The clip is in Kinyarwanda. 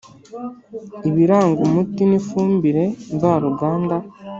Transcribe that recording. Ibiranga umuti n ifumbire mvaruganda